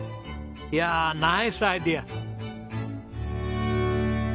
いやあナイスアイデア！